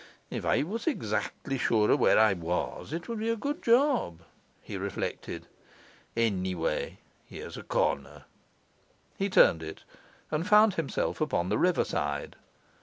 'If I was exactly sure of where I was, it would be a good job,' he reflected. 'Anyway, here's a corner.' He turned it, and found himself upon the riverside.